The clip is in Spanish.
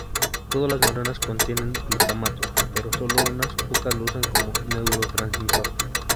Todas las neuronas contienen glutamato, pero sólo unas pocas lo usan como neurotransmisor.